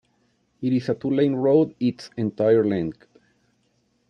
It is a two-lane road its entire length.